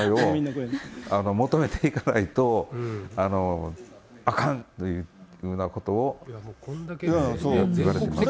求めていかないと、あかんというようなことを言われています。